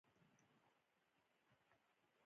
نوره هېڅ ګټه نه ورته کوي.